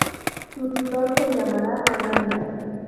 Tu tutor se llamará Ananda.